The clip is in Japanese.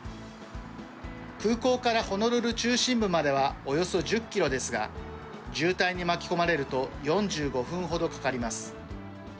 空港からホノルル中心部まではおよそ１０キロですが渋滞に巻き込まれると４５分ほどかかります。